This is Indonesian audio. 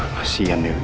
masih ya dewi